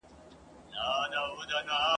یا د دوی په څېر د زور، عقل څښتن وي ,